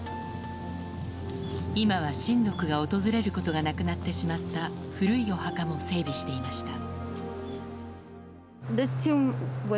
今は親族が訪れることがなくなってしまった古いお墓も整備していました。